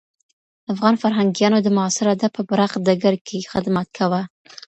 افغان فرهنګيانو د معاصر ادب په پراخ ډګر کي خدمت کاوه.